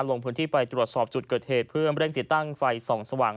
ลงพื้นที่ไปตรวจสอบจุดเกิดเหตุเพื่อเร่งติดตั้งไฟส่องสว่าง